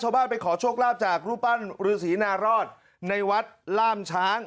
ไปขอโชคลาภจากรูปปั้นฤษีนารอดในวัดล่ามช้าง